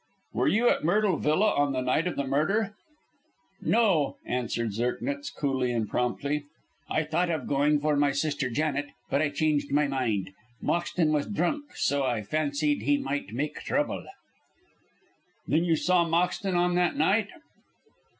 "Were you at Myrtle Villa on the night of the murder?" "No," answered Zirknitz, coolly and promptly. "I thought of going for my sister Janet, but I changed my mind. Moxton was drunk, so I fancied he might make trouble." "Then you saw Moxton on that night?"